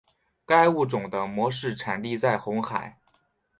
该物种的模式产地在红海。